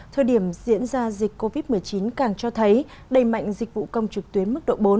thời điểm diễn ra dịch covid một mươi chín càng cho thấy đầy mạnh dịch vụ công trực tuyến mức độ bốn